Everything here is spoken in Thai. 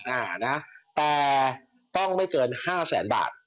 อ่านะแต่ต้องไม่เกินห้าแสนบาท